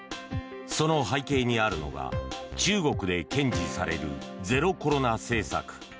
その背景にあるのが中国で堅持されるゼロコロナ政策。